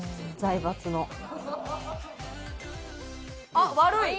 あっ悪い。